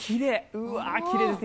うわ、きれいですね。